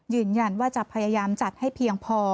ยืนยันว่าจะพยายามจัดให้เพียงพอ